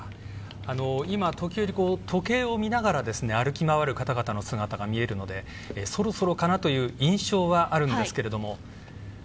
時折、時計を見ながら歩き回る方々の姿が見えるので、そろそろかなという印象はあるんですけど。